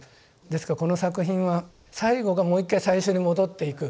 ですからこの作品は最後がもう一回最初に戻っていく。